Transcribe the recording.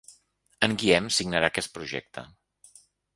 En Guiem signarà aquest projecte